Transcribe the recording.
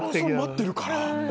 待ってるから。